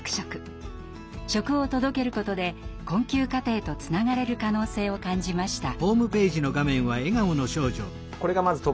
食を届けることで困窮家庭とつながれる可能性を感じました。